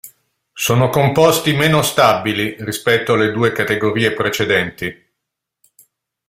Sono composti meno stabili rispetto alle due categorie precedenti.